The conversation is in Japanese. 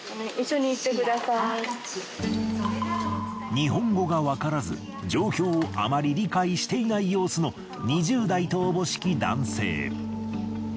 日本語がわからず状況をあまり理解していない様子の２０代とおぼしき男性。